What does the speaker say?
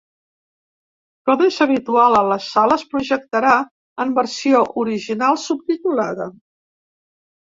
Com es habitual a la sala es projectarà en versió original subtitulada.